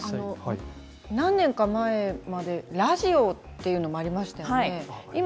何年か前まではラジオというのがありましたね。